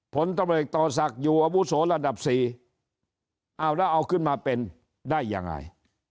พตลต่อสักอยู่อาวุโสระดับ๔เอาแล้วเอาขึ้นมาเป็นได้ยังไง